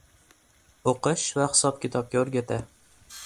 – o‘qish va hisob-kitobg o‘rgata;